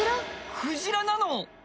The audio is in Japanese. クジラなの？